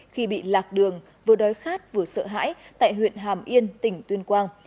khi bị lạc đường vừa đói khát vừa sợ hãi tại huyện hàm yên tỉnh tuyên quang